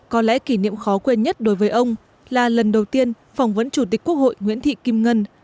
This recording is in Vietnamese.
có lẽ kỷ niệm khó quên nhất đối với ông là lần đầu tiên phỏng vấn chủ tịch quốc hội nguyễn thị kim ngân